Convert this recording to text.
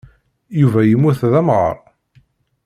Yuba yemmut d amɣar.